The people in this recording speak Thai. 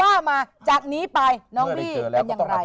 ว่ามาจากนี้ไปน้องบี้เป็นอย่างไร